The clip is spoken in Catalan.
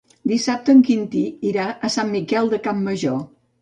Dissabte en Quintí irà a Sant Miquel de Campmajor.